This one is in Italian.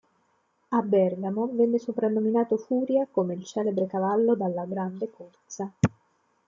A Bergamo venne soprannominato "Furia", come il celebre cavallo dalla grande corsa.